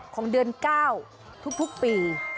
ของเดือน๙ทุกปี